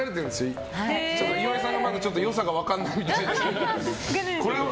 岩井さんがまだ良さが分からないみたいで。